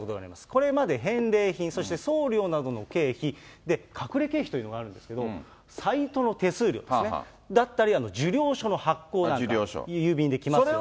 これまで返礼品、そして送料などの経費、隠れ経費というのがあるんですけれども、サイトの手数料ですね、だったり、受領書の発行なんか、郵便で来ますよね。